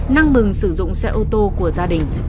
năng mừng sử dụng xe ô tô của gia đình